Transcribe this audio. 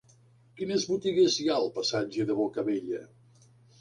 Quines botigues hi ha al passatge de Bocabella?